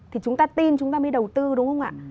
thì chúng ta tin chúng ta mới đầu tư đúng không ạ